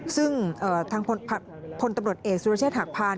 ซึ่งผลตำรวจเอกล์สุรเชษฐ์หักพาน